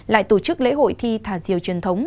lại tổ chức lễ hội thi thả diều truyền thống